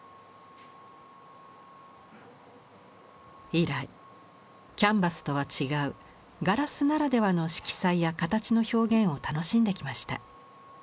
以来キャンバスとは違うガラスならではの色彩や形の表現を楽しんできました。